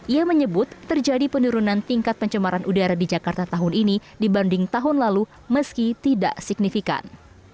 ia menyebut terjadi penurunan tingkat pencemaran udara di jakarta tahun ini dibanding tahun lalu meski tidak signifikan